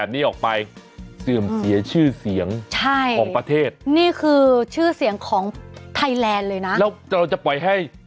เนี้ยแล้วเราจะปล่อยให้